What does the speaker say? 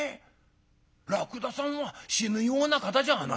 らくださんは死ぬような方じゃないですよ」。